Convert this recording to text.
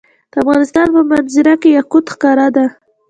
د افغانستان په منظره کې یاقوت ښکاره ده.